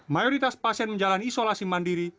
mayoritas pasien menjalani isolasi mandiri